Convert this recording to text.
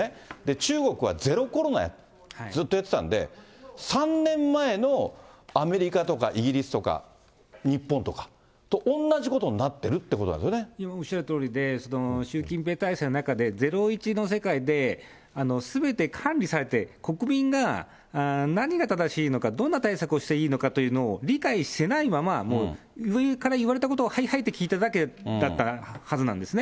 中国はゼロコロナ、ずっとやってたんで、３年前のアメリカとかイギリスとか、日本とかと同じことになっておっしゃるとおりで、習近平体制の中でゼロイチの世界で、すべて管理されて、国民が何が正しいのか、どんな対策がいいのかというのを理解しないまま、もう上から言われたことをはいはいと聞いただけだったはずなんですね。